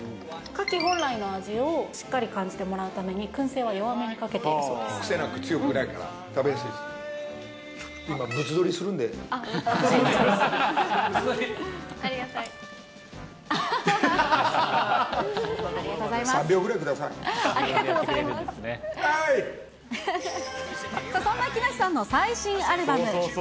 カキ本来の味をしっかり感じてもらうために、くん製は弱めにかけ癖なんか強くないから食べやすいです。